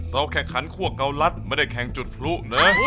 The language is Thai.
เราแค่คันคั่วเกาลัดไม่ได้แข่งจุดพลุเนอะ